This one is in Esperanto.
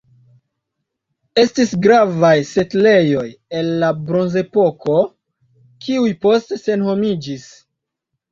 Estis gravaj setlejoj el la Bronzepoko, kiuj poste senhomiĝis.